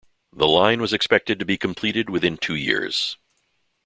The line was expected to be completed within two years.